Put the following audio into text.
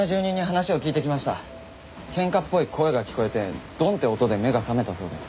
喧嘩っぽい声が聞こえてドンって音で目が覚めたそうです。